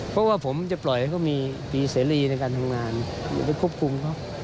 เพราะว่าผมจะปล่อยให้เขามีเสรีในการทำงานไปควบคุมเขา